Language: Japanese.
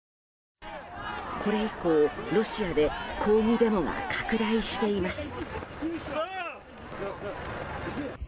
これ以降、ロシアで抗議デモが拡大しています。